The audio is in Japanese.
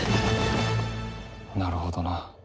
なるほどな。